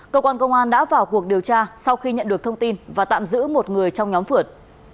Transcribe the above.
cơ quan công an đã vào cuộc điều tra sau khi nhận được thông tin và tạm giữ một người trong nhóm phượt